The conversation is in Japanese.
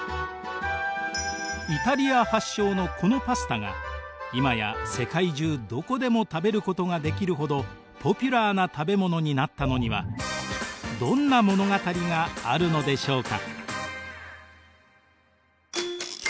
イタリア発祥のこのパスタが今や世界中どこでも食べることができるほどポピュラーな食べ物になったのにはどんな物語があるのでしょうか。